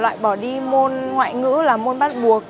loại bỏ đi môn ngoại ngữ là môn bắt buộc